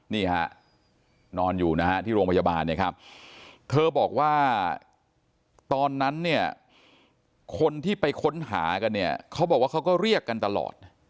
นี่ฮะนอนอยู่นะฮะที่โรงพยาบาลเนี่ยครับเธอบอกว่าตอนนั้นเนี่ยคนที่ไปค้นหากันเนี่ยเขาบอกว่าเขาก็เรียกกันตลอด